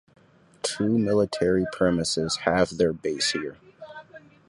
Two military premises have their base here.